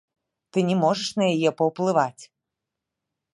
Ты не можаш на яе паўплываць.